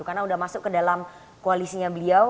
karena udah masuk ke dalam koalisinya beliau